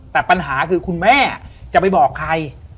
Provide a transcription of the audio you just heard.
แต่ปัญหาคือคุณแม่จะไปบอกใคร